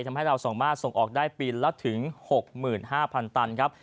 ทำให้เราสามารถส่งออกได้ปีละถึง๖๕๐๐ตันครับ